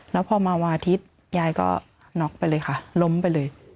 แล้วพอมาวันอาทิตย์ยายก็น็อกไปเลยค่ะล้มไปเลย